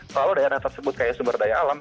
selalu daerah tersebut kayak sumber daya alam